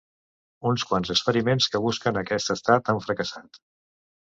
Uns quants experiments que busquen aquest estat han fracassat.